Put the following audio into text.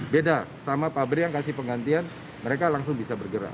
beda sama pabrik yang kasih penggantian mereka langsung bisa bergerak